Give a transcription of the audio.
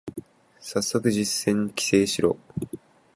最速実践規制しろ